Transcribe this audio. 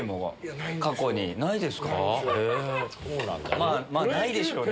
まぁないでしょうね。